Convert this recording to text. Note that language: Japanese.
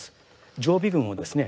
常備軍をですね作る。